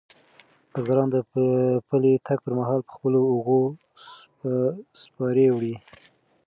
بزګران د پلي تګ پر مهال په خپلو اوږو سپارې وړي.